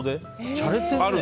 しゃれてるね。